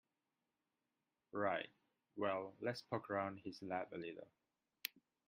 Right, well let's poke around his lab a little.